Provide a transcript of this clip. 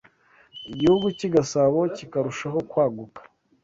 igihugu cy’I Gasabo kikarushaho kwaguka